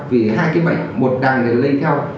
vì hai cái bệnh một đàn này lây theo